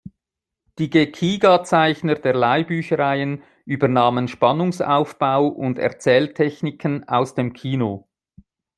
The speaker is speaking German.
Die Gekiga-Zeichner der Leihbüchereien übernahmen Spannungsaufbau und Erzähltechniken aus dem Kino.